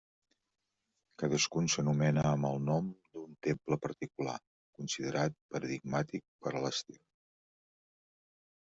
Cadascun s'anomena amb el nom d'un temple particular, considerat paradigmàtic per a l'estil.